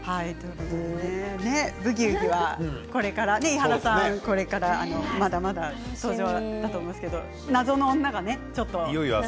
「ブギウギ」はこれから伊原さん、これからまだまだ登場だと思いますが謎の女がちょっと。